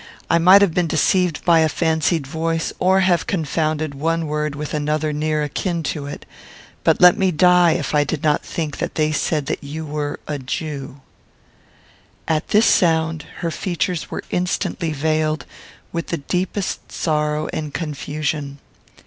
I might have been deceived by a fancied voice, or have confounded one word with another near akin to it; but let me die if I did not think they said that you were a Jew." At this sound, her features were instantly veiled with the deepest sorrow and confusion.